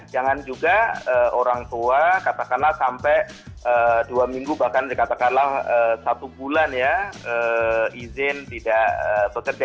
jangan juga orang tua katakanlah sampai dua minggu bahkan katakanlah satu bulan ya izin tidak bekerja